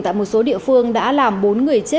tại một số địa phương đã làm bốn người chết